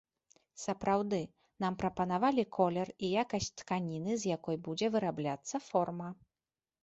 Сапраўды, нам прапанавалі колер і якасць тканіны, з якой будзе вырабляцца форма.